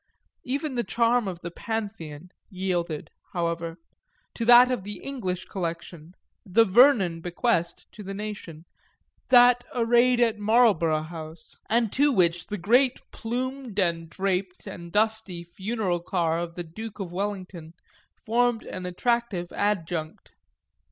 Even the charm of the Pantheon yielded, however, to that of the English collection, the Vernon bequest to the nation, then arrayed at Marlborough House and to which the great plumed and draped and dusty funeral car of the Duke of Wellington formed an attractive adjunct.